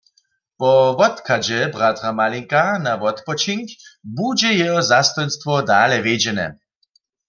Po wotchadźe bratra Malinka na wotpočink budźe jeho zastojnstwo dale wjedźene.